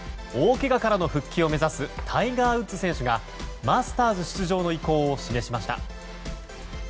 大けがからの復帰を目指すタイガー・ウッズ選手がマスターズ出場の意向を示しました。